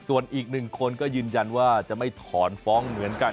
ส่วนอีกหนึ่งคนก็ยืนยันว่าจะไม่ถอนฟ้องเหมือนกัน